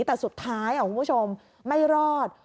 แต่สุดท้ายคุณผู้ชมไม่รอด